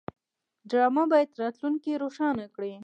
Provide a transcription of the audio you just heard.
ډرامه باید راتلونکی روښانه کړي